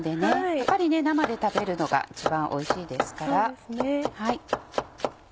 やっぱり生で食べるのが一番おいしいですから。